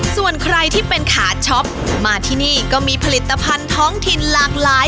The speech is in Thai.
ส่วนใครที่เป็นขาช็อปมาที่นี่ก็มีผลิตภัณฑ์ท้องถิ่นหลากหลาย